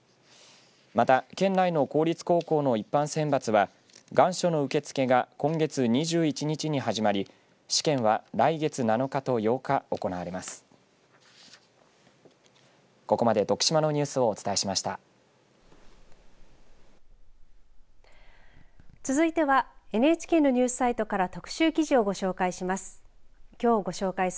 また県内の公立高校の一般選抜は願書の受け付けが今月２１日に始まり、試験は来月７日と８日に行われます。